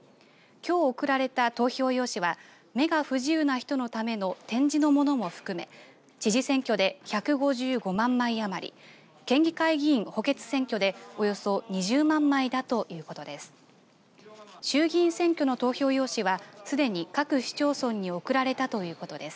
きょう送られた投票用紙は目が不自由な人のための点字のものも含め知事選挙で１５５万枚余り県議会議員補欠選挙でおよそ２０万枚だということです。